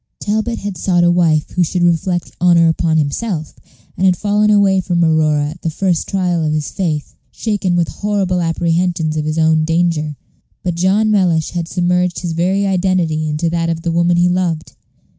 Talbot had sought a wife who should reflect honor upon himself, and had fallen away from Aurora at the first trial of his faith, shaken with horrible apprehensions of his own danger. But John Mellish had submerged his very identity into that of the woman he loved.